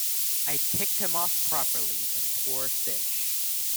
I ticked him off properly, the poor fish.